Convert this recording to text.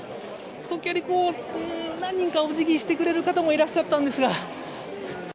時折、何人かお辞儀してくれる方もいらっしゃったんですが。